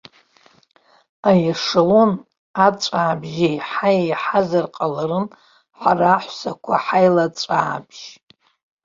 Аешелон аҵәаабыжь еиҳа еиҳазар ҟаларын ҳара аҳәсақәа ҳаилаҵәаабыжь.